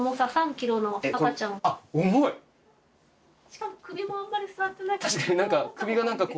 しかも首もあんまり座ってないから。